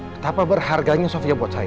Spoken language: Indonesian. betapa berharganya sofia buat saya